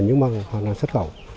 nhưng mà họ là xuất khẩu